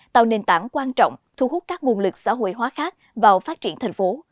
tạo nền tảng quan trọng thu hút các nguồn lực xã hội hóa khác vào phát triển thành phố